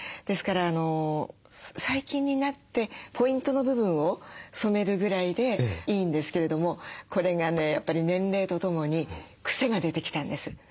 ですから最近になってポイントの部分を染めるぐらいでいいんですけれどもこれがねやっぱり年齢とともに癖が出てきたんです。